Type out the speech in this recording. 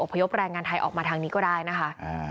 พยพแรงงานไทยออกมาทางนี้ก็ได้นะคะ